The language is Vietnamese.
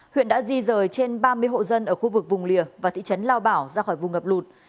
huyện đã di rời trên ba mươi hộ dân ở khu vực vùng lìa và thị trấn lao bảo ra khỏi vùng ngập lụt